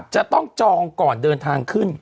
จองก่อนเดินทางขึ้น